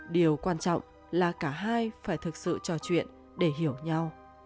điều quan trọng là cả hai phải thực sự trò chuyện để hiểu nhau